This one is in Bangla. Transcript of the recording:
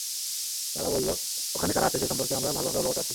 তারা বলল, ওখানে কারা আছে সে সম্পর্কে আমরা ভালভাবে অবগত আছি।